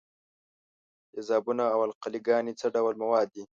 تیزابونه او القلې ګانې څه ډول مواد دي؟